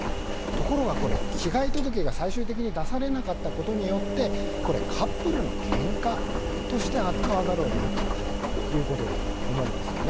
ところが、被害届が最終的に出されなかったことでカップルのけんかとして扱わざるを得なかったということだと思うんですよね。